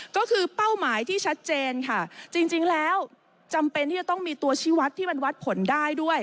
ก็คือเป้าหมายที่ชัดเจนค่ะจริงแล้วจำเป็นที่จะต้องมีตัวชีวัตรที่มันวัดผลได้ด้วย